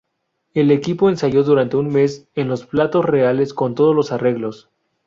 El equipo ensayó durante un mes en los platós reales con todos los arreglos.